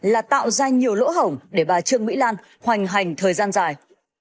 là tạo ra nhiều lỗ hổng để bà trương mỹ lan hoành hành thời gian dài